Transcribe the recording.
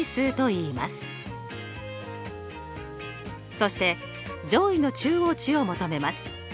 そして上位の中央値を求めます。